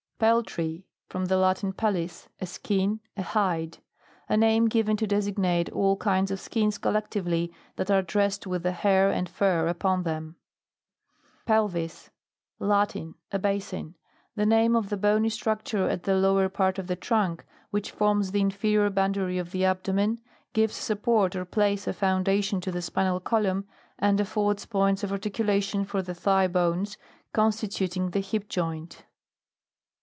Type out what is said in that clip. PELTRY. From the Latin, pellis, a skin, a hide. A name given to des ignate all kinds of skins collective ly that are dressed with the hair and fur upon them. PELVIS. Latin. A basin. The name of the bony structure at the lower part of the trunk, which forms the inferior boundary of the abdomen, gives support or place of foundation to the spinal column, and affords points of articulation for the thigh bones, constituting the hip joint.